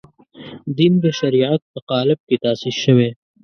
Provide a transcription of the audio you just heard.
دین د شریعت په قالب کې تاسیس شوی.